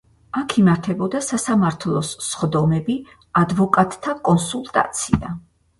აქ იმართებოდა სასამართლოს სხდომები, ადვოკატთა კონსულტაცია.